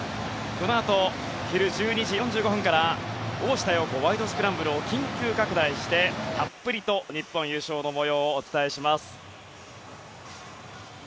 このあと昼１２時４５分から「大下容子ワイド！スクランブル」を緊急拡大して、たっぷりと日本優勝の模様をお伝えします。